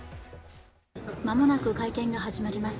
間もなく会見が始まります。